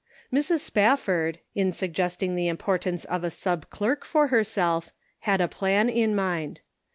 Mrs. Spafford, in suggesting the importance of a sub clerk for herself, had a plan in mind.